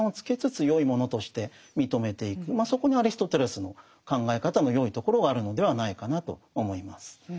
そこにアリストテレスの考え方のよいところがあるのではないかなと思います。